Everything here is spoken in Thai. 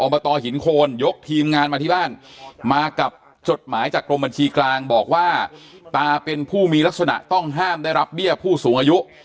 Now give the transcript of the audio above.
บตหินโคนยกทีมงานมาที่บ้านมากับจดหมายจากกรมบัญชีกลางบอกว่าตาเป็นผู้มีลักษณะต้องห้ามได้รับเบี้ยผู้สูงอายุ